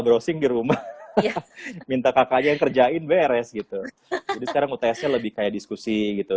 browsing di rumah minta kakaknya kerjain beres gitu sekarang utasnya lebih kayak diskusi gitu